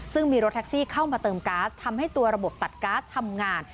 ซึ่งมีรถแท็กซี่เข้ามาเติมก๊าซทำให้ตัวระบบตัดก๊าซทำงาน